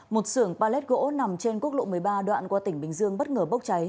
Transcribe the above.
một xưởng pallet gỗ nằm trên quốc lộ một mươi ba đoạn qua tỉnh bình dương bất ngờ bốc cháy